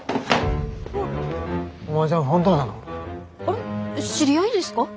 あれ知り合いですか？